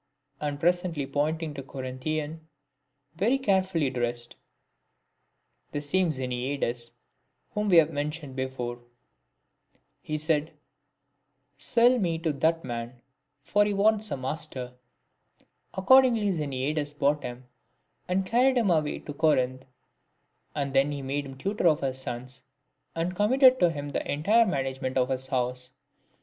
And presently pointing out a Corinthian, very carefully dressed, (the same Xeniades whom we have mentioned before), he said, " Sell me to that man ; for he wants a master." Accordingly Xeniades bought him and carried him away to Corinth ; and then he made him tutor of his sons, and com mitted to him the entire management of his house.